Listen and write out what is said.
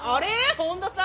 本田さん